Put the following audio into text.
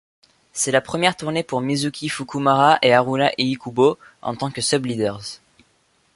C'est la première tournée pour Mizuki Fukumura et Haruna Iikubo en tant que sub-leaders.